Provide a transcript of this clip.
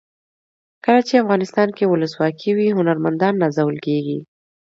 کله چې افغانستان کې ولسواکي وي هنرمندان نازول کیږي.